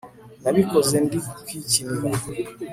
nabikoze ndi kwikinira